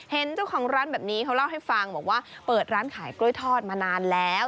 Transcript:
เห็นเจ้าของร้านแบบนี้เขาเล่าให้ฟังบอกว่าเปิดร้านขายกล้วยทอดมานานแล้ว